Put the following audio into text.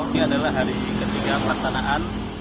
ini adalah hari ketiga pelaksanaan